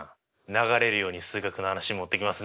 流れるように数学の話に持っていきますね。